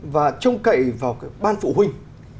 và trông cậy vào ban phụ huynh